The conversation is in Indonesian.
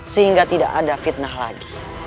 sehingga tidak ada fitnah lagi